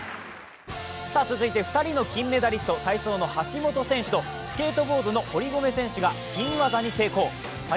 続いて２人の金メダリスト体操の橋本選手とスケートボードの堀米選手が新技にで登場。